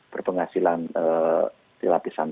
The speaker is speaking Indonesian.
berpenghasilan di lapisan